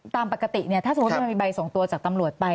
ตามปกติเนี่ยถ้าสมมุติมันมีใบส่งตัวจากตำรวจไป